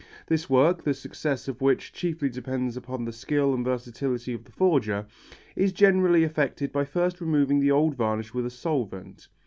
This work, the success of which chiefly depends upon the skill and versatility of the forger, is generally effected by first removing the old varnish with a solvent.